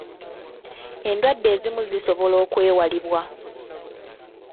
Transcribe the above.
Endwadde ezimu zisobola okwewalibwa.